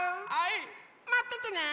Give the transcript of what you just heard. まっててね。